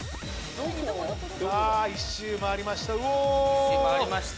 １周回りました。